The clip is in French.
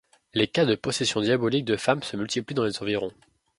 Les cas de possession diabolique de femmes se multiplient dans les environs.